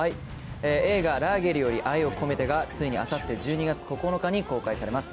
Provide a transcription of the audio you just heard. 映画「ラーゲリより愛を込めて」がついにあさって１２月９日に上映されます。